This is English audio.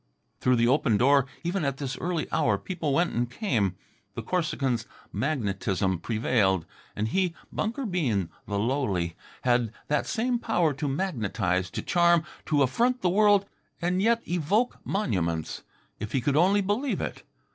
Through the open door, even at this early hour, people went and came. The Corsican's magnetism prevailed. And he, Bunker Bean, the lowly, had that same power to magnetize, to charm, to affront the world and yet evoke monuments if he could only believe it.